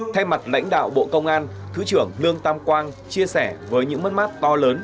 thay mặt lãnh đạo bộ công an thứ trưởng lương tam quang chia sẻ với những mất mát to lớn